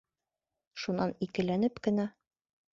Шунан икеләнеп кенә: